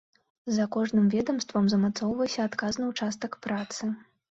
За кожным ведамствам замацоўваўся адказны ўчастак працы.